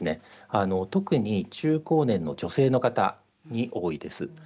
特に中高年の女性の方に多いです。